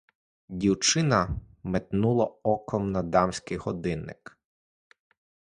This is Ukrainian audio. Дівчина метнула оком на дамський годинник.